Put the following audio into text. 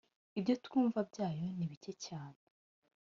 ibyo twumva byayo ni bike cyane